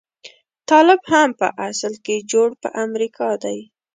طالب هم په اصل کې جوړ په امريکا دی.